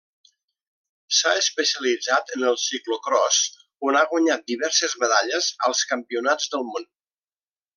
S'ha especialitzat en el ciclocròs on ha guanyat diverses medalles als Campionats del món.